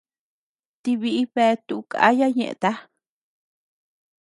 Tii biʼi bea tuʼu kaya ñeʼëta.